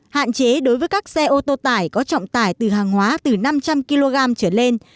hạn chế đối với các xe ô tô tải có trọng tải từ hàng hóa từ năm trăm linh kg trở lên